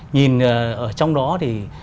nhìn ở trong đó thì